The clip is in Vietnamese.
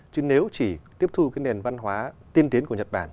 chứ nếu chỉ tiếp thu cái nền văn hóa tiên tiến của nhật bản